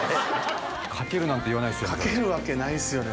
かけるなんて言わないですよね。